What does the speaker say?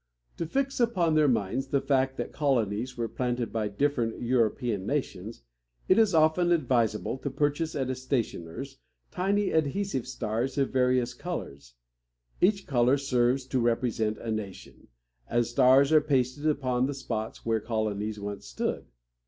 To fix upon their minds the fact that colonies were planted by different European nations, it is often advisable to purchase at a stationer's tiny adhesive stars of various colors. Each color serves to represent a nation, and stars are pasted upon the spots where colonies once stood.